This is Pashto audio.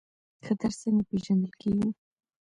خطر څنګه پیژندل کیږي؟